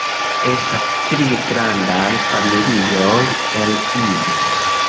Estas tri grandaj familioj el ili.